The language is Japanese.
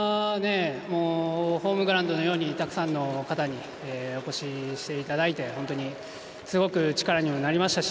ホームグラウンドのようにたくさんの方にお越しいただいて本当にすごく力にもなりましたし